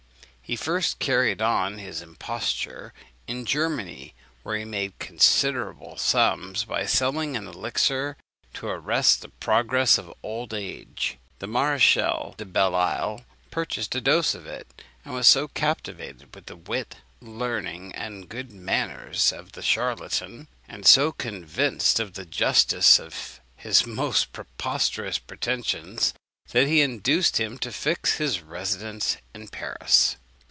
He first carried on his imposture in Germany, where he made considerable sums by selling an elixir to arrest the progress of old age. The Maréchal de Belle Isle purchased a dose of it; and was so captivated with the wit, learning, and good manners of the charlatan, and so convinced of the justice of his most preposterous pretensions, that he induced him to fix his residence in Paris.